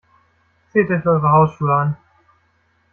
Zieht euch eure Hausschuhe an.